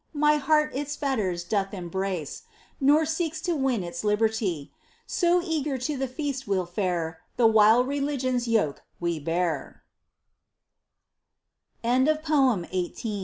My heart its fetters doth embrace, Nor seeks to win its liberty. So eager to the feast we'll fare. The while rehgion's yoke we bear ! POEMS. 35 Poem 19.